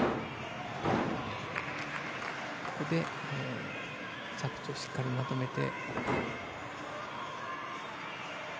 ここで着地をしっかりまとめて。